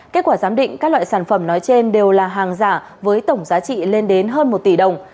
kết quả giám định các loại sản phẩm nói trên đều là hàng giả với tổng giá trị lên đến hơn một tỷ đồng